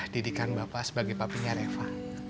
didikan bapak sebagai papinya reva